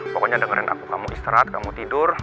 pokoknya dengerin aku kamu istirahat kamu tidur